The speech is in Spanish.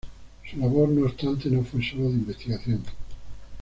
Su labor, no obstante, no fue sólo de investigación.